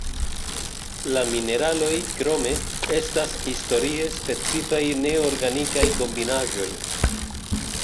La mineraloj, krome, estas historie specifaj neorganikaj kombinaĵoj.